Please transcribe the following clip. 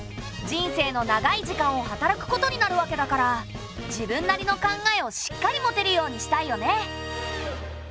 人生の長い時間を働くことになるわけだから自分なりの考えをしっかり持てるようにしたいよね。